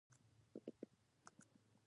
زیارکښ: زحمت کښ سم دی.